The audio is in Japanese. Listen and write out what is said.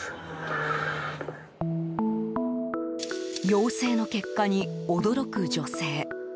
陽性の結果に驚く女性。